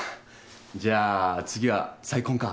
じゃあ次は再婚か？